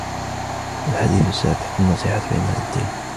الحديث السابع: النصيحة عماد الدين